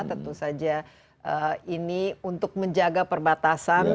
tentu saja ini untuk menjaga perbatasan